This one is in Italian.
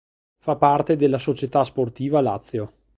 Fa parte della Società Sportiva Lazio.